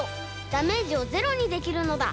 ダメージをゼロにできるのだ！